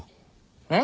えっ？